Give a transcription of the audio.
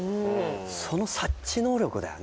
その察知能力だよね